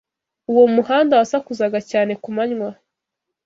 Uwo muhanda wasakuzaga cyane ku manywa.